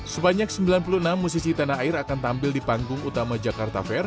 sebanyak sembilan puluh enam musisi tanah air akan tampil di panggung utama jakarta fair